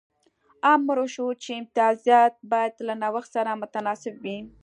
امر وشو چې امتیازات باید له نوښت سره متناسب وي.